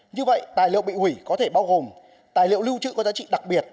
như vậy tài liệu bị hủy có thể bao gồm tài liệu lưu trữ có giá trị đặc biệt